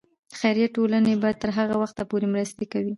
خیریه ټولنې به تر هغه وخته پورې مرستې کوي.